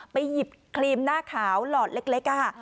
หยิบครีมหน้าขาวหลอดเล็กค่ะ